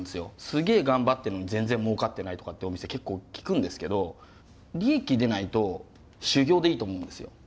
すげえ頑張ってんのに全然もうかってないとかってお店結構聞くんですけど利益出ないと修業でいいと思うんですよ。